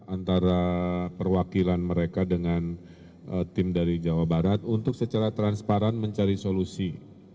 antara perwakilan mereka dengan tim dari jawa barat untuk secara transparan mencari solusi